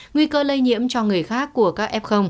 nguy cơ lây nhiễm cho người khác của các f